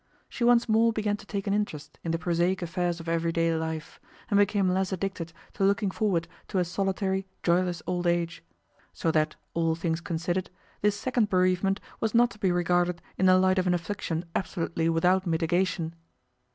She once more began to take an interest in the prosaic affairs of everyday life, and became less addicted to looking forward to a solitary, joyless old age. So that, all things considered, this second bereavement was not to be regarded in the light of an affliction absolutely without mitigation.